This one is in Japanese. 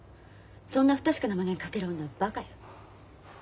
そんな不確かなものに賭ける女はバカよ。